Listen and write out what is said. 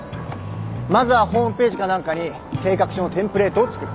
まずはホームページか何かに計画書のテンプレートを作る。